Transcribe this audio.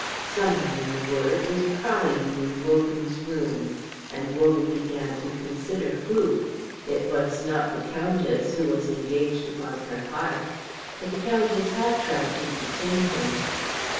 Someone, in a word, was prying in Wogan's room, and Wogan began to consider who. It was not the Countess, who was engaged upon her harp, but the Countess had tried to detain him.